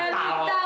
ini dia u tangu opo